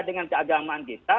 dengan keagamaan kita